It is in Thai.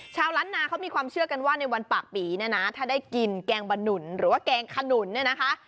ชาวล้านนาเขามีความเชื่อกันว่าในวันปากปีเนี่ยนะถ้าได้กินแกงบะหนุนหรือว่าแกงขนุนเนี่ยนะคะ